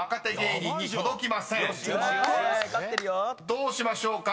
［どうしましょうか？